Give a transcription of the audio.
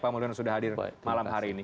pak mulyono sudah hadir malam hari ini